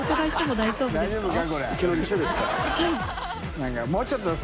燭もうちょっとさ